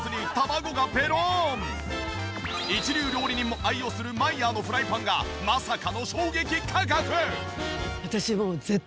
一流料理人も愛用するマイヤーのフライパンがまさかの衝撃価格！